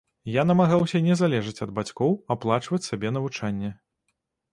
Я намагаўся не залежаць ад бацькоў, аплачваць сабе навучанне.